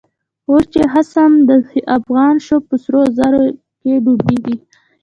اوس چی خصم د افغان شو، په سرو زرو کی ډوبيږی